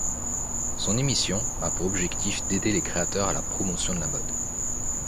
Son émission a pour objectif d’aider les créateurs à la promotion de la mode.